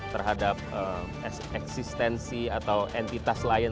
terhadap eksistensi atau entitas lain